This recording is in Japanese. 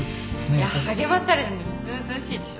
励まされてるのにずうずうしいでしょ。